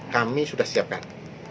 kami sudah siapkan